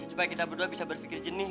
supaya kita berdua bisa berfikir jenih